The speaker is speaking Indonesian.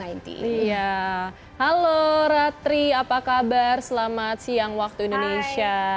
iya halo ratri apa kabar selamat siang waktu indonesia